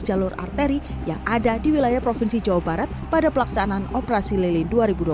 jalur arteri yang ada di wilayah provinsi jawa barat pada pelaksanaan operasi lele dua ribu dua puluh